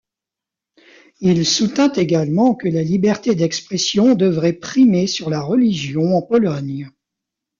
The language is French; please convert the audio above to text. Il soutint également que la liberté d'expression devrait primer sur la religion en Pologne.